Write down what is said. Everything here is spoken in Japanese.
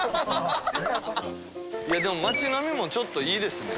街並みもちょっといいですね。